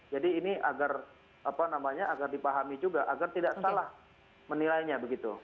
jadi ini agar apa namanya agar dipahami juga agar tidak salah menilainya begitu